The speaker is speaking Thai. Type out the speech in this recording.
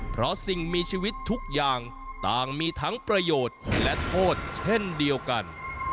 เพราะสิ่งมีชีวิตทุกอย่างต่างมีทั้งประโยชน์และโทษเช่นเดียวกัน